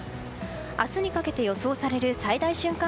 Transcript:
明日にかけて予想される最大瞬間